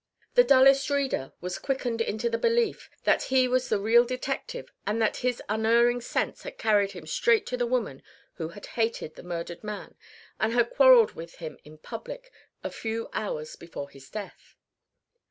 The dullest reader was quickened into the belief that he was the real detective and that his unerring sense had carried him straight to the woman who had hated the murdered man and had quarrelled with him in public a few hours before his death.